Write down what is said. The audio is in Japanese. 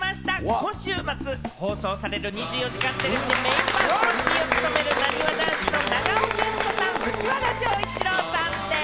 今週末放送される『２４時間テレビ』メインパーソナリティーを務める、なにわ男子の長尾謙杜さん、藤原丈一郎さんでーす！